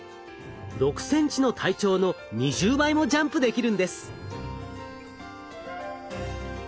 ６ｃｍの体長の２０倍もジャンプできるんです。